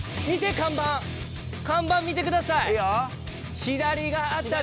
見て看板看板見てください。